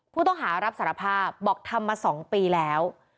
ผู้ต้องหารับสารภาพบอกทำมา๒ปีแล้ว